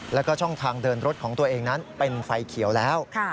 แล้วก็ช่องทางเดินรถของตัวเองนั้นเป็นไฟเขียวแล้ว